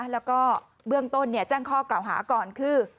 แล้วก็เบื้องต้นแจ้งข้อกล่าวหาก่อนคือ